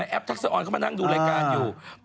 แอปทักษะออนเข้ามานั่งดูรายการอยู่